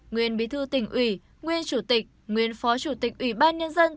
nguyên bí thư tỉnh ủy nguyên chủ tịch nguyên phó chủ tịch ủy ban nhân dân